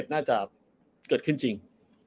น่าจะเกิดขึ้นจริง